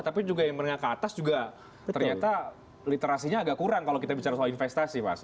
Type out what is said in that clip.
tapi juga yang menengah ke atas juga ternyata literasinya agak kurang kalau kita bicara soal investasi pasti